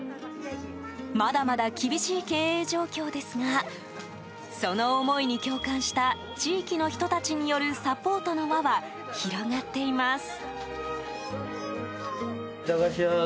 まだまだ厳しい経営状況ですがその思いに共感した地域の人たちによるサポートの輪は広がっています。